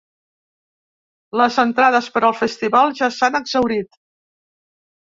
Les entrades per al festival ja s’han exhaurit.